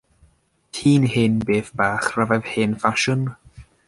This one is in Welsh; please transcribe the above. Ti'n hen beth bach rhyfedd hen ffasiwn.